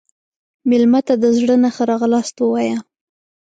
مېلمه ته د زړه نه ښه راغلاست ووایه.